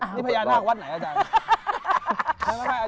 นี่พญานาควัดไหนอาจารย์